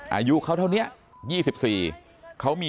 อายุเขาแท้นี้๒๔ปี